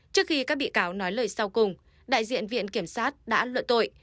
trước khi các bị cáo nói lời sau cùng đại diện viện kiểm sát đã luận tội